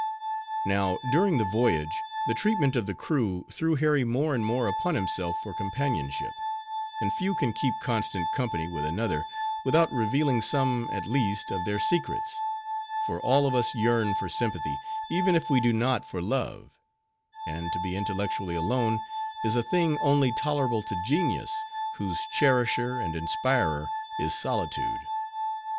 Now, during the voyage, the treatment of the crew threw Harry more and more upon myself for companionship; and few can keep constant company with another, without revealing some, at least, of their secrets; for all of us yearn for sympathy, even if we do not for love; and to be intellectually alone is a thing only tolerable to genius, whose cherisher and inspirer is solitude.